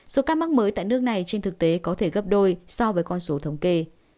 số ca mắc mới tại nước này trên thực tế có thể gấp đôi so với con số thống kê